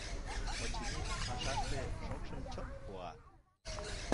Очыни, пашаште шокшым чот пуа